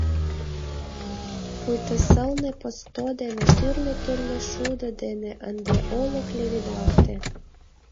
Пуйто сылне посто дене, тӱрлӧ-тӱрлӧ шудо дене ынде олык леведалте.